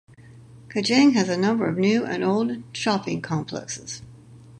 Kajang has a number of new and old shopping complexes.